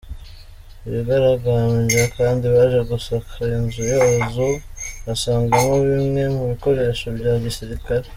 Abigaragambya kandi baje gusaka inzu yazo basangamo bimwe mu bikoresho bya gisirikare.